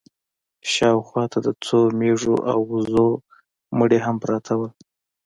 شا و خوا ته د څو مېږو او وزو مړي هم پراته وو.